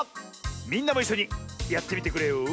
みんなもいっしょにやってみてくれよ！